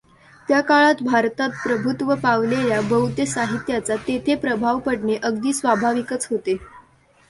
त्या काळात भारतात प्रभुत्व पावलेल्या बौद्ध साहित्याचा तेथे प्रभाव पडणे अगदी स्वाभाविकच होते.